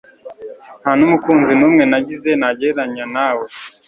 Nta n'umukunzi numwe nagize nagereranya nawe.